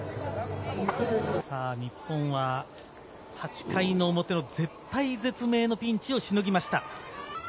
日本は８回の表の絶体絶命のピンチをしのぎました。